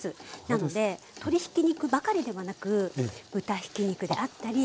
なので鶏ひき肉ばかりではなく豚ひき肉であったり。